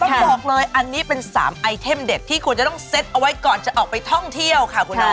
บอกเลยอันนี้เป็น๓ไอเทมเด็ดที่ควรจะต้องเซ็ตเอาไว้ก่อนจะออกไปท่องเที่ยวค่ะคุณน้อง